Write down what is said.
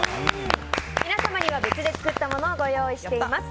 皆様には別で作ったものをご用意しています。